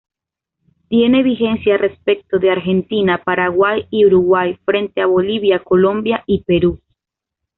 Tiene vigencia respecto de Argentina, Paraguay y Uruguay frente a Bolivia, Colombia y Perú.